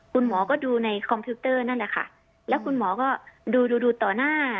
คุณหมอก็ดูในคอมพิวเตอร์นั่นแหละค่ะแล้วคุณหมอก็ดูดูต่อหน้า